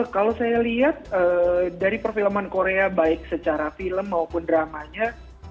kalau saya lihat dari perfilman korea baik secara film maupun dramanya